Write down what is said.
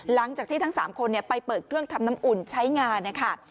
หลังจากที่ทั้ง๓คนไปเปิดเครื่องทำน้ำอุ่นใช้งานนะคะ